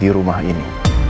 di rumah ini